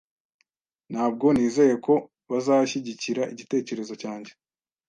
Ntabwo nizeye ko bazashyigikira igitekerezo cyanjye.